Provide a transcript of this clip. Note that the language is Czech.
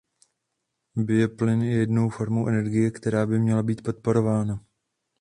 Bioplyn je jednou formou energie, která by měla být podporována.